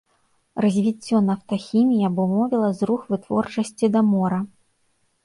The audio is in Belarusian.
Развіццё нафтахіміі абумовіла зрух вытворчасці да мора.